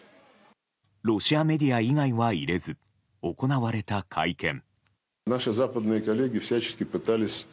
ロシアメディア以外は入れず行われた会見。